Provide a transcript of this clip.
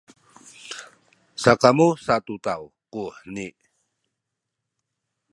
sakamu sa tu taw kuheni.